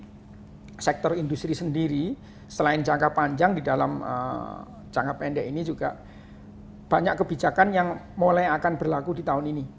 jadi sektor industri sendiri selain jangka panjang di dalam jangka pendek ini juga banyak kebijakan yang mulai akan berlaku di tahun ini